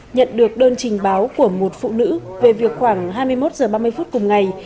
nhận được đơn trình báo của một phụ nữ về việc khoảng hai mươi một h ba mươi phút cùng ngày